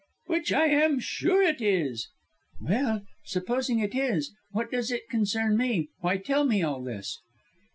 "Which I am sure it is!" "Well, supposing it is what does it concern me? Why tell me all this?"